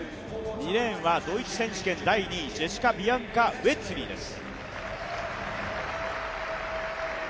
２レーンはドイツ選手権第２位ジェシカ・ビアンカ・ウェッソリーです。